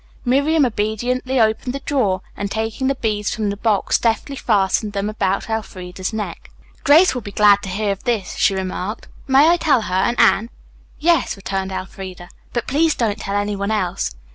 Miriam obediently opened the drawer and taking the beads from the box deftly fastened them about Elfreda's neck. "Grace will be glad to hear of this," she remarked. "May I tell her and Anne?" "Yes," returned Elfreda, "but please don't tell any one else."